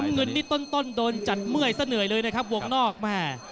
น้ำเงินนี้ต้นโดนจัดเมื่อยเส้นเหนื่อยเลยนะครับวงนอกมา